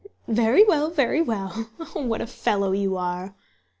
"Very well, very well!... Oh, what a fellow you are!"